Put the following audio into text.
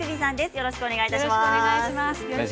よろしくお願いします。